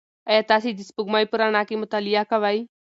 ایا تاسي د سپوږمۍ په رڼا کې مطالعه کوئ؟